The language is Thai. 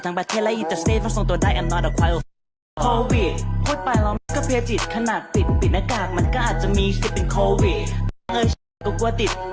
ก็จะได้ติดต่อสองตัวได้อันน้อยแต่ว่า